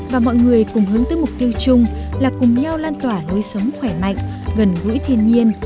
và mọi người cùng hướng tới mục tiêu chung là cùng nhau lan tỏa lối sống khỏe mạnh gần gũi thiên nhiên